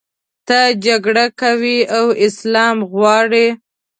ته جګړه کوې او اسلام غواړې.